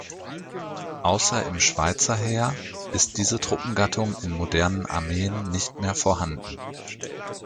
Außer im Schweizer Heer ist diese Truppengattung in modernen Armeen nicht mehr vorhanden.